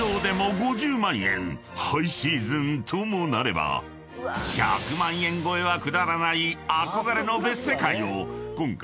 ［ハイシーズンともなれば１００万円超えはくだらない憧れの別世界を今回］